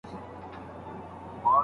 علمي شخصیتونو څیړني ترسره کولې.